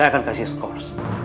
saya akan kasih skor